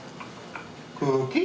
クッキー？